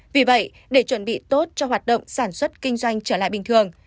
vì vậy để chuẩn bị tốt cho hoạt động sản xuất kinh doanh trở lại bình thường